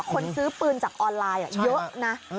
คนซื้อปืนจากออนไลน์เยอะนะ